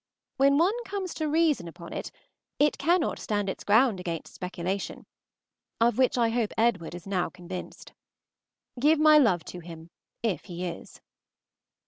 When one comes to reason upon it, it cannot stand its ground against Speculation, of which I hope Edward is now convinced. Give my love to him if he is.